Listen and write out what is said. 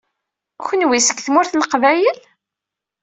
Kenwi seg Tmurt n Leqbayel?